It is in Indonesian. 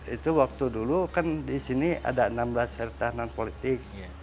itu waktu dulu kan disini ada enam belas sertahanan politik